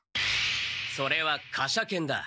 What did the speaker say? それは火車剣だ。